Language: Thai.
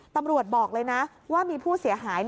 ตำรวจบอกเลยนะว่ามีผู้เสียหาย